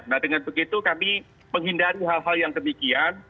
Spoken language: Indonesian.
nah dengan begitu kami menghindari hal hal yang demikian